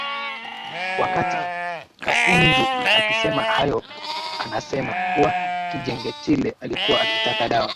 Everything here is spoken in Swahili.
Wakati Kapunju akisema hayo anasema kuwa Kinjeketile alikuwa akitaka dawa